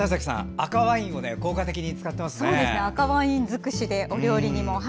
赤ワイン尽くしでお料理も。